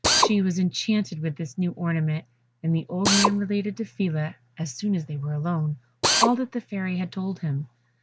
She was enchanted with this new ornament, and the old man related to Phila, as soon as they were alone, all that the Fairy had told him.